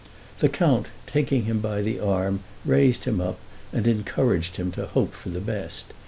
The count, taking him by the arm, raised him up, and encouraged him to hope for the best.